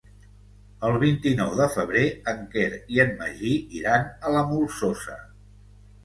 El vint-i-nou de febrer en Quer i en Magí iran a la Molsosa.